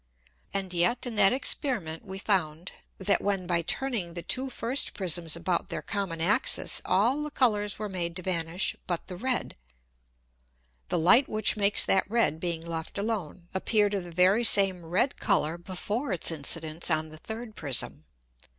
And yet in that Experiment we found, that when by turning the two first Prisms about their common Axis all the Colours were made to vanish but the red; the Light which makes that red being left alone, appeared of the very same red Colour before its Incidence on the third Prism.